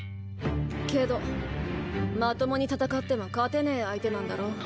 けどまともに戦っても勝てねえ相手なんだろ？